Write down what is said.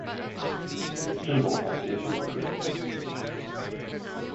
A symbol of ancient Crete.